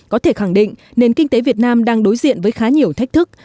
có thể khẳng định nền kinh tế việt nam đang đối diện với khá nhiều thách thức